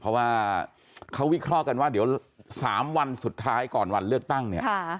เพราะว่าเขาวิเคราะห์กันว่าเดี๋ยว๓วันสุดท้ายก่อนวันเลือกตั้งเนี่ย